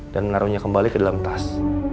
dan menaruhnya kembali ke dalam tas